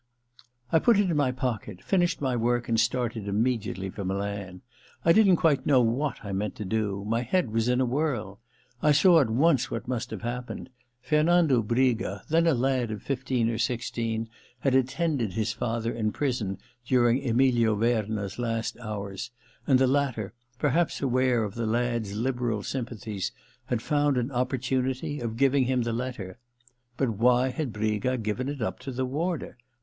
I put it in my pocket, finished my work and started immediately for Milan. I didn't quite know what I meant to do — my head was in a whirl. I saw at once what must have happened. Fernando Briga, then a lad of fifteen or sixteen, had attended his father in prison during Emilio Verna's last hours, and the latter, perhaps aware 250 THE LETTER ii of the lad*s liberal sympathies, had found an opportunity of giving him the letter. But why had Briga given it up to the warder?